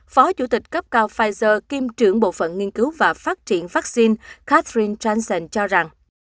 phó chủ tịch cấp cao pfizer kiêm trưởng bộ phận nghiên cứu và phát triển vắc xin katherine janssen cho rằng